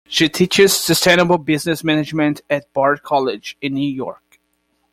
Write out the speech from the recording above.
She teaches sustainable business management at Bard College in New York.